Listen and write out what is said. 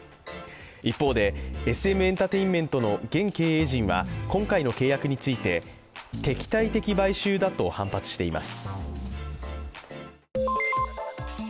一方で、Ｓ．Ｍ．ｅｎｔｅｒｔａｉｎｍｅｎｔの現経営陣は今回の契約について敵対的買収だと反発しています。